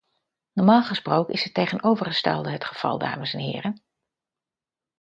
Normaal gesproken is het tegenovergestelde het geval, dames en heren.